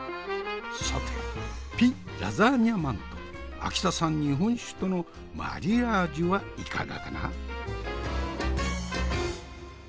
さてピ・ラザーニャ・マンと秋田産日本酒とのマリアージュはいかがかな？